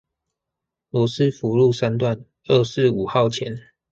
羅斯福路三段二四五號前